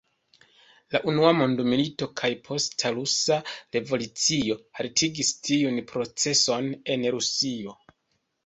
La unua mondmilito kaj la posta rusa revolucio haltigis tiun proceson en Rusio.